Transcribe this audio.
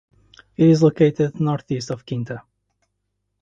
It is located northeast of Kinta.